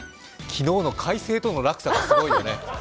昨日の開成との落差がすごいよね。